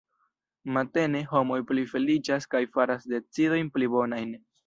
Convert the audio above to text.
Matene, homoj pli feliĉas kaj faras decidojn pli bonajn.